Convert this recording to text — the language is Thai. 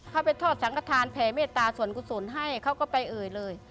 เขาไปทอดสังขทานแผ่เมตตาส่วนกุศลให้เขาก็ไปเอ่ยเลย